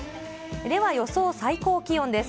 では、予想最高気温です。